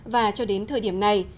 và cho đến thời điểm này